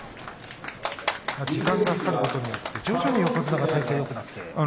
時間がかかることによって徐々に横綱が体勢がよくなってくる。